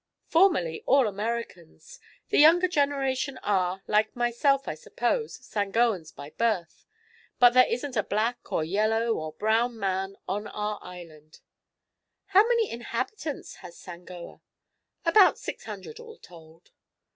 "Formerly all Americans. The younger generation are, like myself I suppose, Sangoans by birth. But there isn't a black or yellow or brown man on our island." "How many inhabitants has Sangoa?" "About six hundred, all told."